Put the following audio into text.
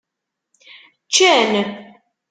Ččan.